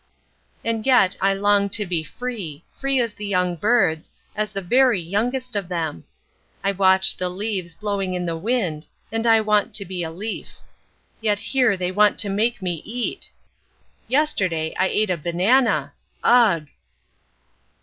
And yet I long to be free, free as the young birds, as the very youngest of them. I watch the leaves blowing in the wind and I want to be a leaf. Yet here they want to make me eat! Yesterday I ate a banana! Ugh!